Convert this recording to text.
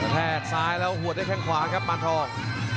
แทกซ้ายแล้วหัวด้วยแข้งขวาครับปานทอง